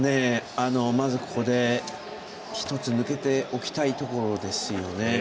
まず、ここで１つ抜けておきたいところですよね。